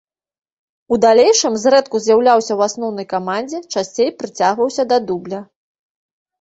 У далейшым зрэдку з'яўляўся ў асноўнай камандзе, часцей прыцягваўся да дубля.